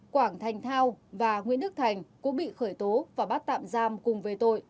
quảng thành thao và nguyễn đức thành cũng bị khởi tố và bắt tạm giam cùng về tội